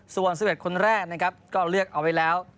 ส่วน๑๑คนแรกก็เลือกเอาไว้แล้ว